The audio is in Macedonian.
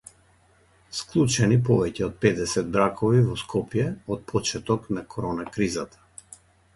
Склучени повеќе од педесет бракови во Скопје од почетокот на корона кризата